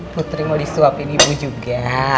putri mau disuapin ibu juga